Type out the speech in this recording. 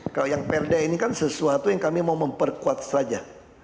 kalau yang perda ini kan sesuatu yang kami mau memperkuat saja